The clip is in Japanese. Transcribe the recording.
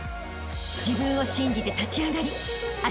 ［自分を信じて立ち上がりあしたへ